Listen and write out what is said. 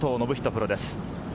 プロです。